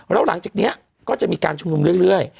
แล้วหลังจากนี้ก็จะมีการชุมนุมเรื่อย